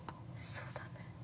◆そうだね。